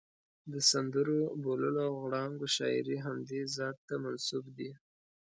د سندرو، بوللو او غړانګو شاعري همدې ذات ته منسوب دي.